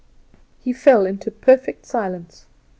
He fell into perfect silence.